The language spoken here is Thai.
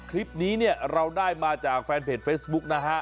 คลิปนี้เนี่ยเราได้มาจากแฟนเพจเฟซบุ๊กนะฮะ